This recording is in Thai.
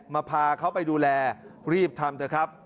พาเขาไปดูแลรีบทำเถอะครับ